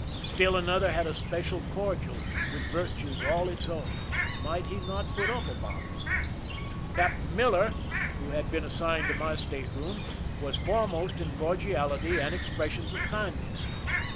Still another had a special cordial with vir j tues all its own : might he not put up a bottle ? Cap '' tain Miller, who had been assigned to my state room, was foremost in cordiality and expressions of kind ness.